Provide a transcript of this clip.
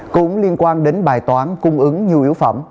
cũng liên quan đến bài toán cung ứng nhiều yếu phẩm